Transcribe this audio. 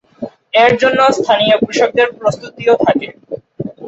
এর জন্য স্থানীয় কৃষকদের প্রস্তুতিও থাকে।